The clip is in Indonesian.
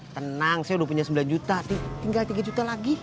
tenang saya udah punya sembilan juta tinggal tiga juta lagi